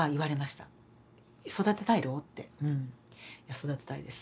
「育てたいです。